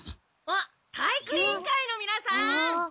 あっ体育委員会のみなさん！